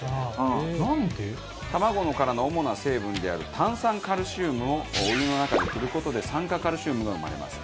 卵の殻の主な成分である炭酸カルシウムをお湯の中で振る事で酸化カルシウムが生まれます。